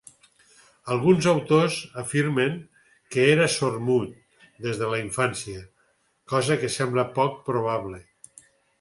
Alguns autors afirmen que era sordmut des de la infància, cosa que sembla poc probable.